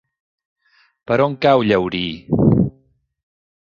Per on cau Llaurí?